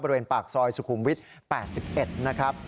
บริเวณปากซอยสุขุมวิทย์๘๑นะครับ